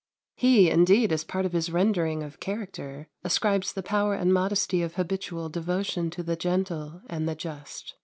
He, indeed, as part of his rendering of character, ascribes the power and modesty of habitual devotion to the gentle and the just.